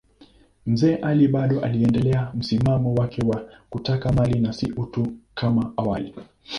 Mzee Ali bado aliendelea msimamo wake wa kutaka mali na si utu kama awali.